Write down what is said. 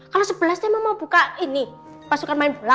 kalau sebelas emang mau buka pasukan main bola